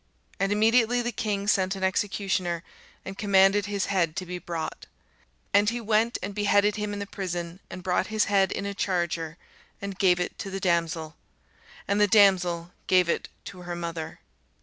And immediately the king sent an executioner, and commanded his head to be brought: and he went and beheaded him in the prison, and brought his head in a charger, and gave it to the damsel: and the damsel gave it to her mother.